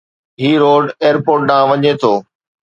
هي road airport ڏانهن وڃي ٿو